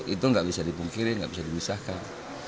itu nggak bisa dipungkiri nggak bisa dimisahkan